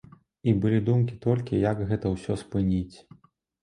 І былі думкі толькі, як гэта ўсё спыніць.